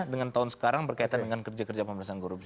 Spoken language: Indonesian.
dengan tahun sekarang berkaitan dengan kerja kerja pemerintahan korupsi